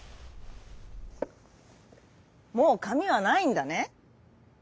「もうかみはないんだね？